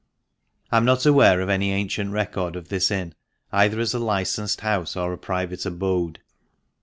— I am not aware of any ancient record of this inn, either as a licensed house or a private abode.